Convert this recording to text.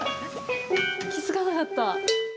気付かなかった。